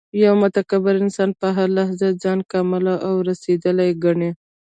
یو متکبر انسان په هر لحاظ ځان کامل او رسېدلی ګڼي